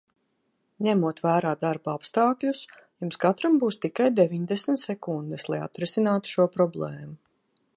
Ņemot vērā darba apstākļus, jums katram būs tikai deviņdesmit sekundes, lai atrisinātu šo problēmu.